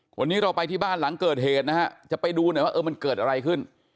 วันนี้เราไปที่บ้านหลังเกิดเหตุนะฮะจะไปดูหน่อยว่าเออมันเกิดอะไรขึ้น